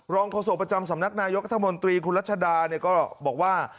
โฆษกประจำสำนักนายกรัฐมนตรีคุณรัชดาก็บอกว่า